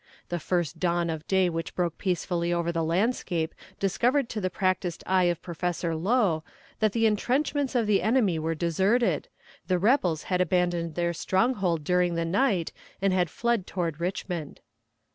The first dawn of day which broke peacefully over the landscape discovered to the practiced eye of Professor Lowe that the entrenchments of the enemy were deserted; the rebels had abandoned their stronghold during the night and had fled toward Richmond.